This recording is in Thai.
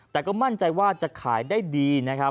แต่ก็มั่นใจว่าจะขายได้ดีนะครับ